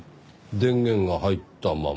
電源が入ったまま。